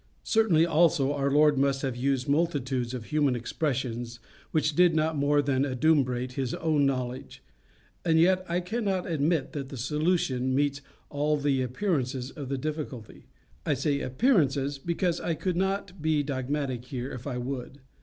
Certainly also our Lord must have used multitudes of human expressions which did not more than adumbrate his own knowledge. And yet I cannot admit that the solution meets all the appearances of the difficulty. I say appearances, because I could not be dogmatic here if I would.